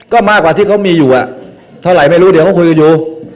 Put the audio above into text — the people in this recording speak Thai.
ก็มากกว่าที่เขามีอยู่เท่าไหร่ไม่รู้เดี๋ยวเขาคุยกันอยู่